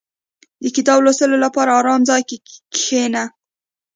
• د کتاب لوستلو لپاره آرام ځای کې کښېنه.